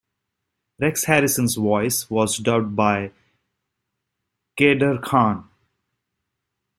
Rex Harrison's voice was dubbed by Kader Khan.